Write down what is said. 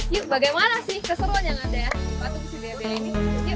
yuk bagaimana sih keseruan yang ada di patung cbba ini yuk yuk